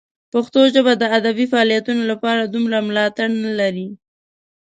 پښتو ژبه د ادبي فعالیتونو لپاره دومره ملاتړ نه لري.